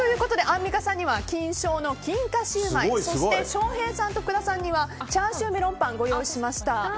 アンミカさんには金賞の金華シウマイそして翔平さんと福田さんには叉焼メロンパンをご用意しました。